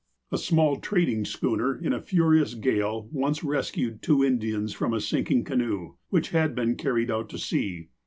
A small trading schooner, in a furious gale, once res cued two Indians from a sinking canoe, which had been carried out to sea.